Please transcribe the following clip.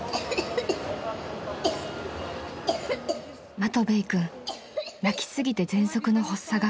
［マトヴェイ君泣きすぎてぜんそくの発作が］